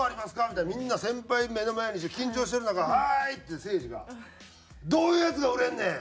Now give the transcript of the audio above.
みたいなみんな先輩目の前にして緊張してる中「はーい！」ってせいじが「どういうヤツが売れんねん？」。